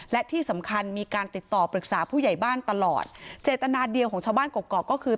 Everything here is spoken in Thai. และที่สำคัญมีการติดต่อปรึกษาผู้ใหญ่บ้านตลอดเจตนาเดียวของชาวบ้านกรกกอกก็คือ